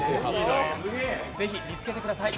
ぜひ、見つけてください。